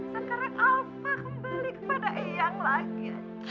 sekarang alva kembali kepada eyang lagi